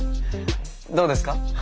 どうですか？